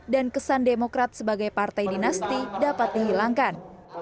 dan kesan demokrat sebagai partai dinasti dapat dihilangkan